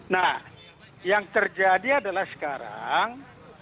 nah yang terjadi adalah sekarang